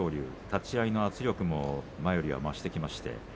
立ち合いの圧力も前より増してきました。